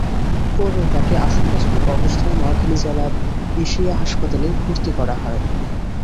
পরে তাঁকে আশঙ্কাজনক অবস্থায় নোয়াখালী জেলার এশিয়া হাসপাতালে ভর্তি করা হয়।